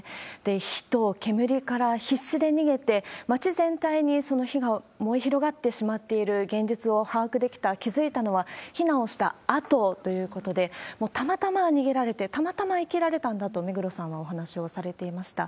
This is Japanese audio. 火と煙から必死で逃げて、町全体にその火が燃え広がってしまっている現実を把握できた、気付いたのは、避難をしたあとということで、たまたま逃げられて、たまたま生きられたんだと、目黒さんはお話をされていました。